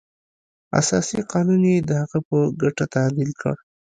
اساسي قانون یې د هغه په ګټه تعدیل کړ.